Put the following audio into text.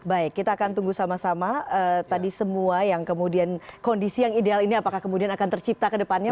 baik kita akan tunggu sama sama tadi semua yang kemudian kondisi yang ideal ini apakah kemudian akan tercipta ke depannya